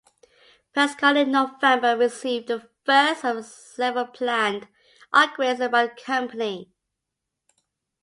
Prescott in November received the first of several planned upgrades by the company.